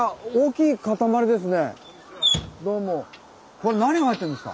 これ何が入ってるんですか？